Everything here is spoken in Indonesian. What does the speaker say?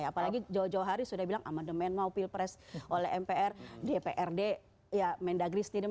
apalagi jauh jauh hari sudah bilang amandemen mau pilpres oleh mpr dprd ya mendagri sendiri